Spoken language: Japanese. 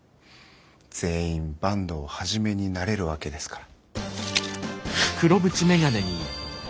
全員坂東一になれるわけですから。